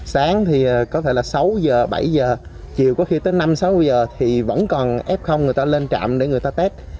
sáng thì có thể là sáu giờ bảy giờ chiều có khi tới năm sáu giờ thì vẫn còn f người ta lên trạm để người ta tết